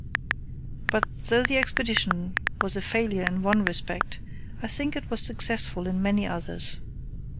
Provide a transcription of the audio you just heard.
But though the Expedition was a failure in one respect, I think it was successful in many others.